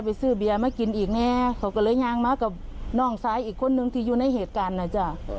ไปซื้อเบียร์มากินอีกแน่เขาก็เลยยางมากับน้องซ้ายอีกคนนึงที่อยู่ในเหตุการณ์นะจ๊ะ